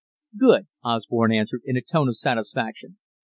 "Good," Osborne answered in a tone of satisfaction.